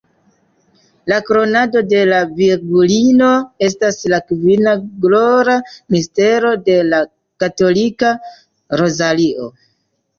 La "Kronado de la Virgulino" estas la kvina glora mistero de la katolika rozario.